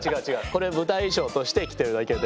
これ舞台衣装として着てるだけで。